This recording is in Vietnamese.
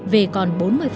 về còn bốn mươi